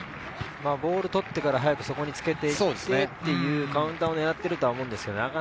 ボールを取ってから、早くそこにつけてというカウンターを狙っていると思うんですよね。